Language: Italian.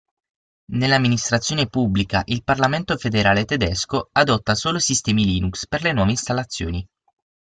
Nell'Amministrazione Pubblica il Parlamento Federale Tedesco adotta solo sistemi Linux per le nuove installazioni.